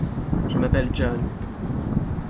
Je m’appelle John.